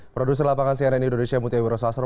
produser lapangan cnn indonesia mutia wiro sastro